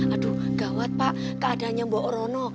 aduh gawat pak keadaannya mbak orono